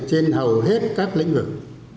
trên hầu hết các lĩnh vực